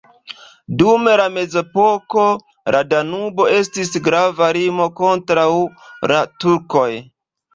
Dum la mezepoko la Danubo estis grava limo kontraŭ la turkoj.